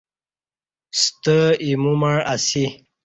ستہ ایمو مع اسی